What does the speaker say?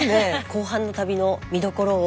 後半の旅の見どころを。